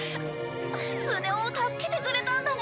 スネ夫を助けてくれたんだね。